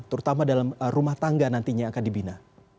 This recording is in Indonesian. terutama dalam rumah tangga nantinya akan dibina